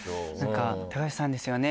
「橋さんですよね？」